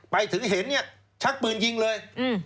ไปถึงเห็นเนี่ยชักปืนยิงเลย